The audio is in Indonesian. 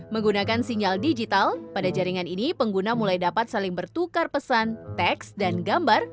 menggunakan sinyal digital pada jaringan ini pengguna mulai dapat saling bertukar pesan teks dan gambar